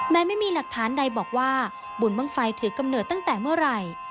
ไม่มีหลักฐานใดบอกว่าบุญบ้างไฟถือกำเนิดตั้งแต่เมื่อไหร่